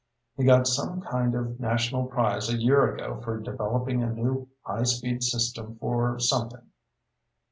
He got some kind of national prize a year ago for developing a new high speed system for something.